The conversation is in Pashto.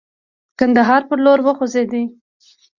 کندهار پر لور وخوځېدی.